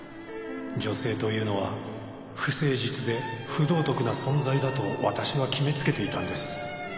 「女性というのは不誠実で不道徳な存在だと私は決めつけていたんです」